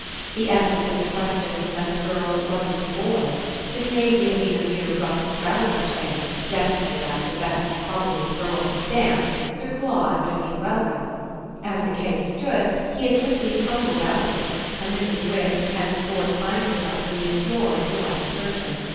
The essence of the question was that a girl wasn't a boy: if Maisie had been a mere rough trousered thing, destined at the best probably to grow up a scamp, Sir Claude would have been welcome. As the case stood he had simply tumbled out of it, and Mrs. Wix would henceforth find herself in the employ of the right person.